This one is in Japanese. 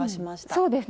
そうですね。